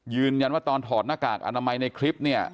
ยืนยันว่าตอนถอดหน้ากากอนามัยในคลิปเนี่ย